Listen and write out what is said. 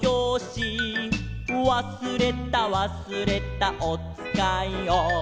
「わすれたわすれたおつかいを」